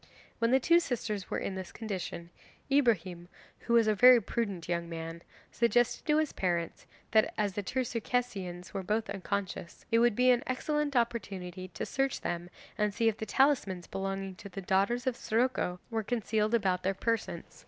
When the two sisters were in this condition, Ibrahim, who was a very prudent young man, suggested to his parents that, as the two Circassians were both unconscious, it would be an excellent opportunity to search them and see if the talismans belonging to the daughters of Siroco were concealed about their persons.